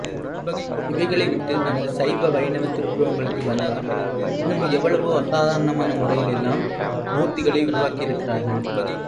இவைகளை விட்டு நமது சைவ, வைணவத் திருவுருவங்களுக்கு வந்தால் இன்னும் எவ்வளவோ அசாதாரணமான முறையில் எல்லாம் மூர்த்திகளை உருவாக்கியிருக்கிறார்கள்.